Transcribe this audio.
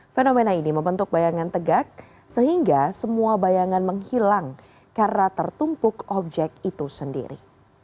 fenomena ini membentuk bayangan tegak sehingga semua bayangan menghilang karena tertumpuk objek itu sendiri